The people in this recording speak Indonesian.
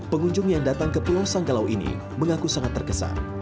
pengunjung yang datang ke pulau sanggalau ini mengaku sangat terkesan